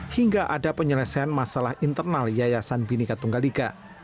hingga ada penyelesaian masalah internal yayasan binika tunggal ika